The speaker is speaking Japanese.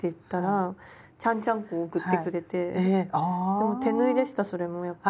でも手縫いでしたそれもやっぱり。